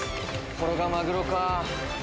これがマグロかぁ。